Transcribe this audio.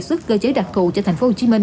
xuất cơ chế đặc cụ cho thành phố hồ chí minh